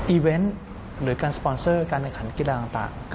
เวนต์หรือการสปอนเซอร์การแข่งขันกีฬาต่าง